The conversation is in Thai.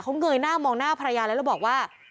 เค้าเงยหน้ามองพรรยานแล้วบอกว่า